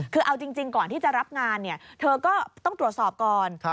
คือเอาจริงก่อนที่จะรับงานเธอก็ต้องตรวจสอบก่อน